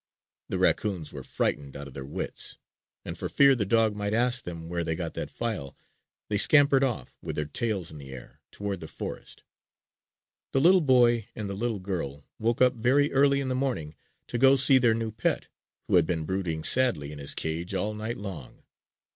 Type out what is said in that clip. The raccoons were frightened out of their wits; and for fear the dog might ask them where they got that file, they scampered off, with their tails in the air, toward the forest. The little boy and the little girl woke up very early in the morning to go to see their new pet, who had been brooding sadly in his cage all night long.